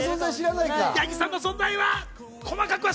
八木さんの存在は。